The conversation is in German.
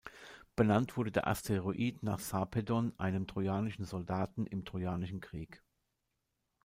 Benannt wurde der Asteroid nach Sarpedon, einem trojanischen Soldaten im Trojanischen Krieg.